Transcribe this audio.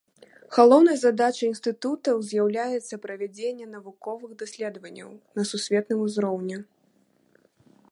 Галоўнай задачай інстытутаў з'яўляецца правядзенне навуковых даследаванняў на сусветным узроўні.